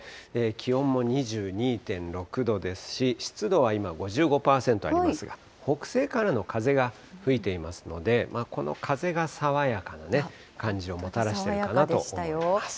気温も２２．６度ですし、湿度は今、５５％ありますが、北西からの風が吹いていますので、この風が爽やかな感じをもたらしているかなと思います。